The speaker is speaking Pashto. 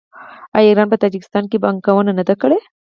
آیا ایران په تاجکستان کې پانګونه نه ده کړې؟